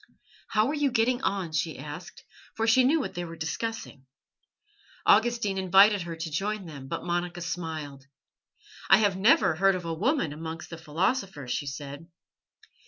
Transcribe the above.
"How are you getting on?" she asked, for she knew what they were discussing. Augustine invited her to join them, but Monica smiled. "I have never heard of a woman amongst the philosophers," she said.